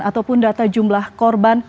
ataupun data jumlah korban